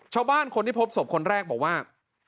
ชาวบ้านคนที่พบศพคนแรกบอกว่า